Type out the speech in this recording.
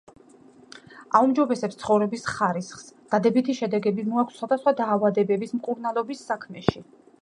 აუმჯობესებს ცხოვრების ხარისხს, დადებითი შედეგები მოაქვს სხვადასხვა დაავადებების მკურნალობის საქმეში